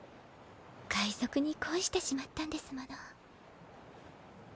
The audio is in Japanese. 海賊に恋してしまったんですもの。